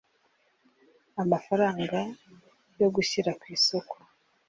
Amafaranga yo gushyira ku isoko